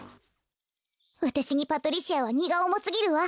わたしにパトリシアはにがおもすぎるわ。